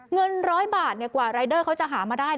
เงิน๑๐๐บาทกว่ารายเดอร์เขาจะหามาได้